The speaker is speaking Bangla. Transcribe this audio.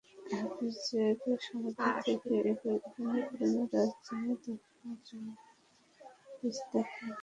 হাফিজের সমাধি থেকে এবার ইরানের পুরোনো রাজধানী তাখ্তে জামছিদ দেখতে চললাম।